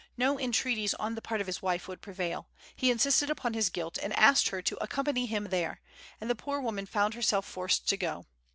No entreaties on the part of his wife would prevail; he insisted upon his guilt and asked her to accompany him there; and the poor woman found herself forced to go.